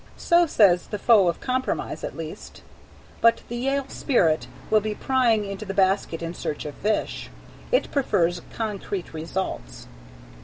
So says the Foe of Compromise, at least. But the Yale spirit will be prying into the basket in search of fish; it prefers concrete results.